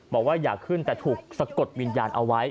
บอกว่าอยากขึ้นแต่ถูกสะกดวิญญาณเอาไว้